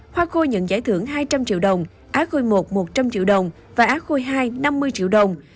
hoa khôi nhận giải thưởng hai trăm linh triệu đồng á khôi i một trăm linh triệu đồng và á khôi ii năm mươi triệu đồng